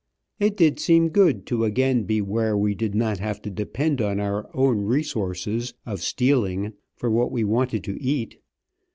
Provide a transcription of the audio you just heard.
It did seem good to again be where we did not have to depend on our own resources, of stealing, for what we wanted to eat.